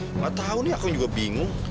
nggak tau ini akang juga bingung